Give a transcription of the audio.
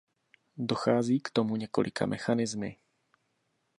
Dochází k tomu několika mechanismy.